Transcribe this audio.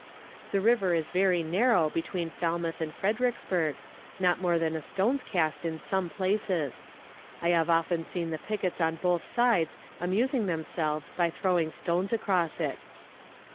The river is very narrow between Falmouth and Fredericksburg, not more than a stone's cast in some places. I have often seen the pickets on both sides amusing themselves by throwing stones across it.